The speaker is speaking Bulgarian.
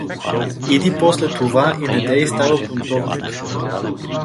Иди после това и недей става бунтовник!